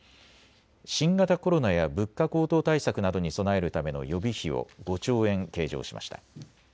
新型コロナや物価高騰対策などに備えるための予備費を５兆円計上しました。